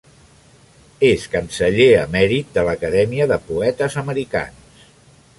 És canceller emèrit de l'Acadèmia de Poetes Americans.